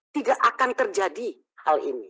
tidak akan terjadi hal ini